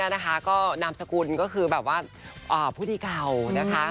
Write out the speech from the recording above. นะคะก็นามสกุลก็คือแบบว่าผู้ดีเก่านะคะ